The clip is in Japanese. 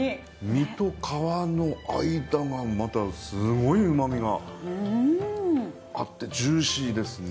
身と皮の間がまたすごい旨みがあってジューシーですね。